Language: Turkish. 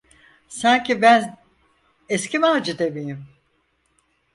Sanki ben eski Macide miyim?